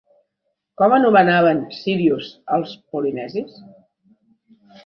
Com anomenaven Sírius els polinesis?